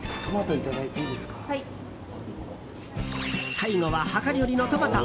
最後は量り売りのトマト。